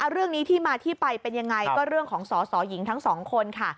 เรื่องนี้ที่มาที่ไปเป็นยังไงก็เรื่องของสอสอหญิงทั้งสองคนค่ะ